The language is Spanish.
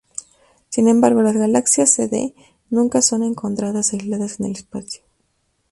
Sin embargo, las galaxias cD nunca son encontradas aisladas en el espacio.